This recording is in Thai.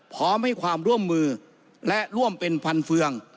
พร้อมให้ความร่วมมือและร่วมเป็นพันเฟือง